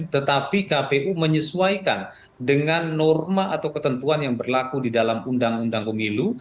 tetapi kpu menyesuaikan dengan norma atau ketentuan yang berlaku di dalam undang undang pemilu